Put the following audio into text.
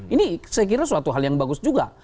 ini saya kira suatu hal yang bagus juga